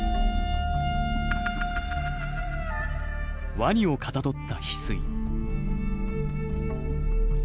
ワニをかたどったヒスイ。